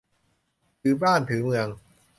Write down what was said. ถือบ้านถือเมือง